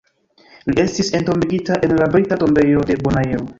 Li estis entombigita en la Brita Tombejo de Bonaero.